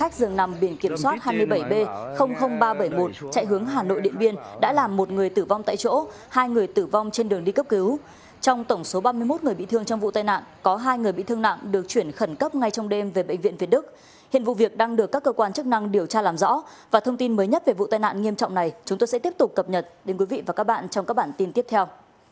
chào mừng quý vị và các bạn trong các bản tin tiếp theo